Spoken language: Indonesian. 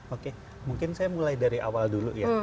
oke mungkin saya mulai dari awal dulu ya